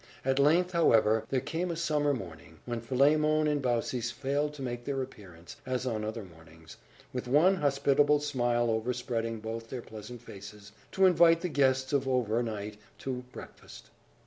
At length, however, there came a summer morning when Philemon and Baucis failed to make their appearance, as on other mornings, with one hospitable smile overspreading both their pleasant faces, to invite the guests of over night to breakfast.